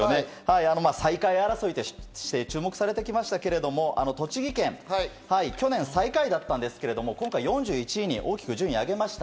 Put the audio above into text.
最下位争いとして注目されてきましたけれど栃木県、去年、最下位だったんですけれど、今回４１位に大きく順位を上げました。